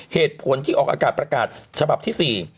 เหตุผลที่ออกอากาศประกาศฉบับที่๔